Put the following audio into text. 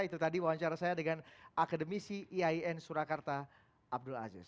itu tadi wawancara saya dengan akademisi iain surakarta abdul aziz